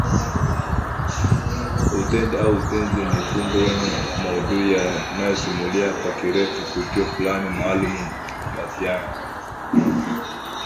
Utendi au utenzi ni utungo wenye maudhui yanayosimulia kwa kirefu tukio fulani maalum Mbatiah